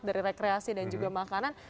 dari rekreasi dan juga makanan